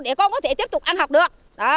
để con có thể tiếp tục ăn học được